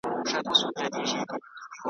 نور به هر څه خاوری کېږی خو زما مینه به پاتېږی .